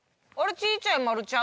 ちいちゃい丸ちゃうやん